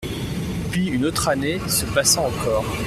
Puis une autre année se passa encore.